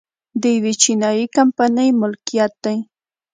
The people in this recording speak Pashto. د یوې چینايي کمپنۍ ملکیت دی